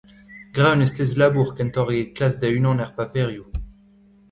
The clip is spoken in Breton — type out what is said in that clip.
Gra un estez labour kentoc'h eget klask da-unan er paperioù.